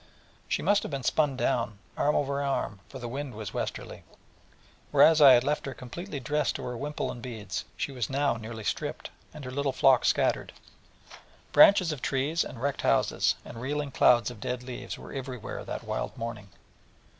She must have been spun down, arm over arm, for the wind was westerly, and whereas I had left her completely dressed to her wimple and beads, she was now nearly stripped, and her little flock scattered. And branches of trees, and wrecked houses, and reeling clouds of dead leaves were everywhere that wild morning.